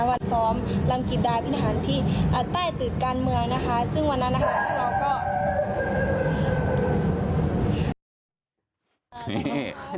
วัดซ้อมรังกิจดาวิหารที่ใต้ตึกการเมืองนะคะซึ่งวันนั้นนะคะเราก็